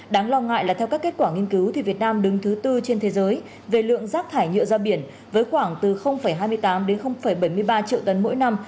đáng lo ngại là theo các kết quả nghiên cứu thì việt nam đứng thứ tư trên thế giới về lượng rác thải nhựa ra biển với khoảng từ hai mươi tám đến bảy mươi ba triệu tấn mỗi năm